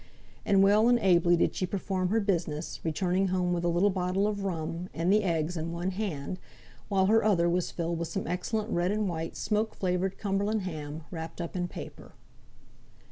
And well and ably did she perform her business, returning home with a little bottle of rum, and the eggs in one hand, while her other was filled with some excellent red and white smoke flavoured Cumberland ham, wrapped up in paper.